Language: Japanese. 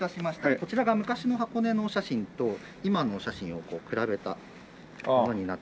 こちらが昔の箱根のお写真と今のお写真を比べたものになっておりまして。